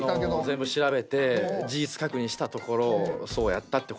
全部調べて事実確認したところそうやったってことで。